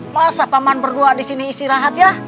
masa paman berdua di sini istirahat ya